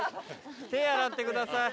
手洗ってください。